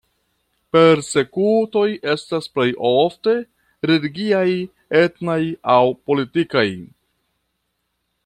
Persekutoj estas plej ofte religiaj, etnaj aŭ politikaj.